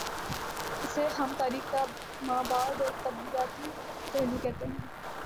اسے ہم تاریخ کا ما بعد الطبیعیاتی پہلو کہتے ہیں۔